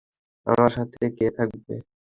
আমার সাথে কে থাকবে?